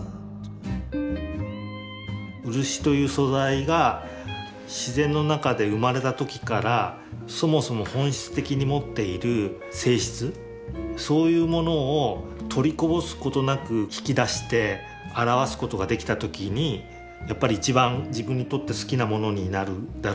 漆という素材が自然の中で生まれた時からそもそも本質的に持っている性質そういうものを取りこぼすことなく引き出して表すことができた時にやっぱり一番自分にとって好きなものになるだろうしある意味